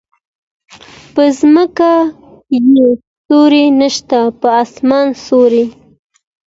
په ځمکه يې سیوری نشته په اسمان ستوری